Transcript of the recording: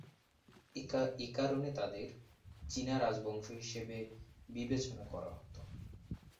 একারণে তাদের চীনা রাজবংশ হিসেবে বিবেচনা করা হতো।